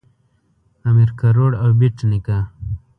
امیر کروړ او بېټ نیکه